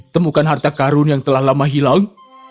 temukan harta karun yang telah lama hilang